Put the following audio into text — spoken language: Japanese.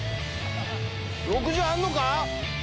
６０あんのか？